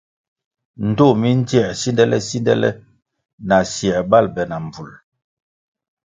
Ndtoh mi ndzier sindele-sindele asier bal be na mbvul.